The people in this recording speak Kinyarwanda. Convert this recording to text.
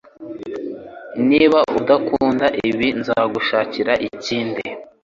Niba udakunda ibi, nzagushakira ikindi.